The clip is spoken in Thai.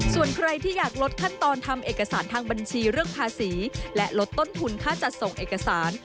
ส่วนใครที่อยากลดขั้นตอนทำเอกสารทางบัญชีเรื่องภาษีและลดต้นทุนค่าจัดส่งเอกสาร